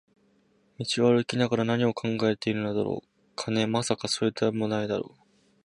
道を歩きながら何を考えているのだろう、金？まさか、それだけでも無いだろう